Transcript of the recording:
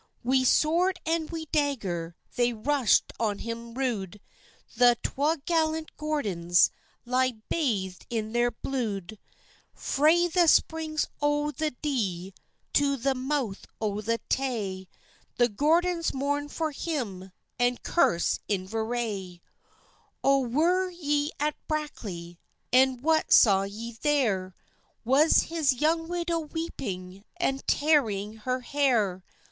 Wi' sword and wi' dagger They rushed on him rude; The twa gallant Gordons Lie bathed in their blude. Frae the springs o' the Dee To the mouth o' the Tay, The Gordons mourn for him, And curse Inveraye. "O were ye at Brackley? An' what saw ye there? Was his young widow weeping An' tearing her hair?"